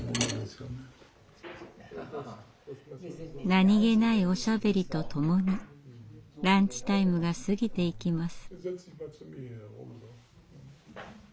何気ないおしゃべりとともにランチタイムが過ぎていきます。